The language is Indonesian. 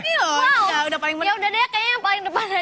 ya udah deh kayaknya yang paling depan aja